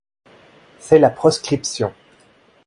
C'est la proscription.